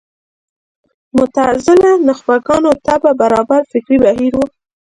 معتزله نخبه ګانو طبع برابر فکري بهیر و